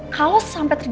kaos sampai terjatuh